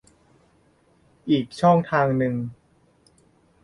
อีกช่องทางหนึ่ง